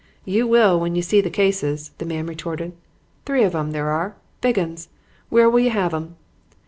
"'You will when you see the cases,' the man retorted. 'Three of 'em, there are. Big uns. Where will you have 'em?'